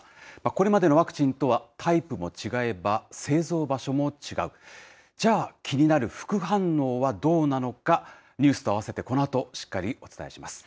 これまでのワクチンとはタイプも違えば、製造場所も違う、じゃあ気になる副反応はどうなのか、ニュースと併せてこのあとしっかりお伝えします。